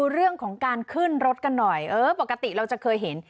เรื่องของการขึ้นรถกันหน่อยเออปกติเราจะเคยเห็น